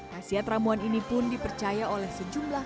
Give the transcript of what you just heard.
hasil ramuan ini pun dipercaya oleh sejumlah